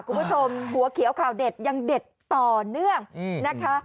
คุณผู้ชมหัวเขียวข่าวเด็ดยังเด็ดต่อเนื่องนะคะ